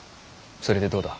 それでどうだ。